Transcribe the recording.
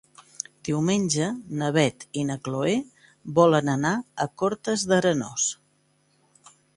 Diumenge na Beth i na Chloé volen anar a Cortes d'Arenós.